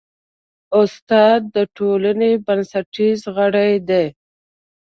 استاد د ټولنې بنسټیز غړی دی.